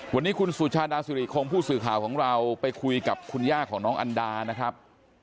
วันนี้คุณสุชาดาสุริคงผู้สื่อข่าวของเราไปคุยกับคุณย่าของน้องอันดานะครับ